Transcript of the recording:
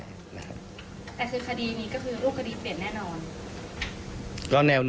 แต่คือคดีนี้ก็คือรูปคดีเปลี่ยนแน่นอน